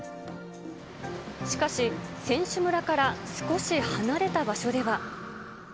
しかし、選手村から少し離れた場所では。